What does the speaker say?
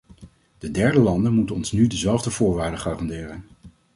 De derde landen moeten ons nu dezelfde voorwaarden garanderen.